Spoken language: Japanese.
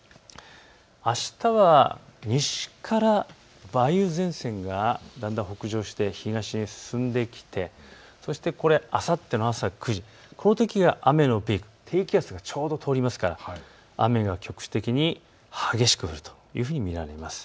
あしたは西から梅雨前線がだんだん北上して東へ進んできてそしてあさっての朝９時、このときが雨のピーク、ちょうど低気圧が通るので雨が局地的に激しく降ると見られます。